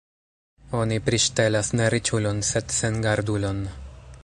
Oni priŝtelas ne riĉulon, sed sengardulon.